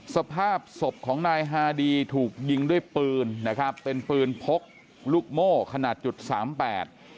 สภาพศพของนายฮาดีถูกยิงด้วยปืนเป็นปืนพกลูกโม่ขนาด๓๘